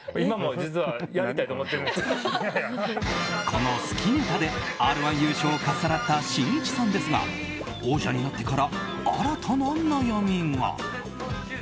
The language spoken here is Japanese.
この「好き」ネタで「Ｒ‐１」優勝をかっさらったしんいちさんですが王者になってから新たな悩みが。